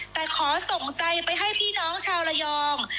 แต่ขอส่งใจไปให้พี่น้องชาวระยอง